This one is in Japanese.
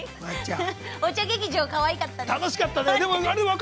お茶劇場かわいかったね。